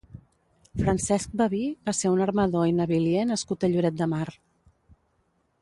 Francesc Baví va ser un armador i navilier nascut a Lloret de Mar.